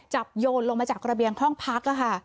โยนลงมาจากระเบียงห้องพัก